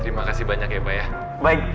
terima kasih pak